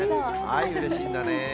うれしいんだね。